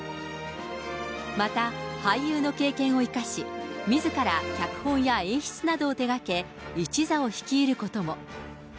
また、俳優の経験を生かし、みずから脚本や演出などを手がけ、一座を率いることも。